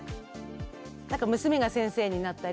娘が先生になったり。